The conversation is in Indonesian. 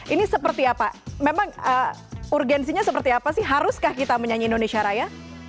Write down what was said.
ini seperti apa memang urgensinya seperti apa sih haruskah kita menyanyi indonesia raya